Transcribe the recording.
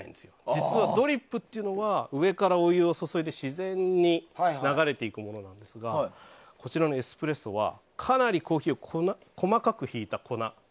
実は、ドリップというのは上からお湯を注いで自然に流れていくものなんですがこちらのエスプレッソはかなりコーヒーを細かくひいた粉。